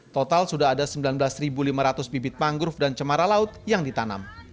total sudah ada sembilan belas lima ratus bibit mangrove dan cemara laut yang ditanam